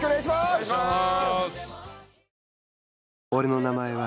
お願いします。